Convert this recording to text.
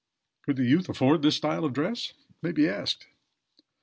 Could the youth afford this style of dress? it may be asked.